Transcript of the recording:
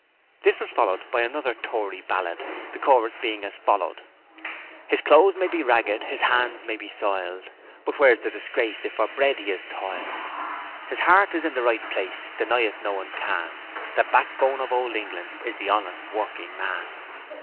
This was followed by another Tory ballad, the chorus being as follows: His clothes may be ragged, his hands may be soiled. But where's the disgrace if for bread he has toiled. His 'art is in the right place, deny it no one can The backbone of Old England is the honest workin' man.'